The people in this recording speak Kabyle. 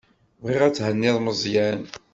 Bɣiɣ ad thenniḍ Meẓyan.